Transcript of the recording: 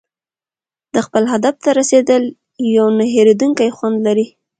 د خپل هدف ته رسېدل یو نه هېریدونکی خوند لري.